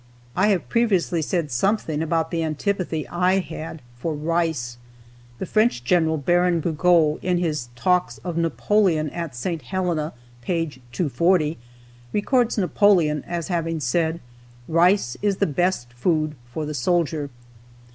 I have previously said something about the antipathy I had for rice. The French General, Baron Gourgaud, in his "Talks of Napoleon at St. Helena" (p. 240), records Napoleon as having said, "Rice is the best food for the soldier."